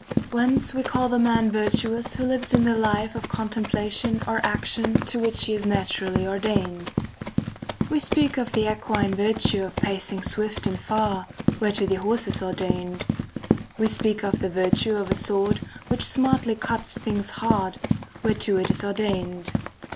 Whence we call the man virtuous who lives in the life of contemplation or action to which he is naturally ordained ; we speak of the equine virtue of pacing swift and far, whereto the horse is or dained ; we speak of the virtue of a [So] sword which smartly cuts things hard, whereto it is ordained.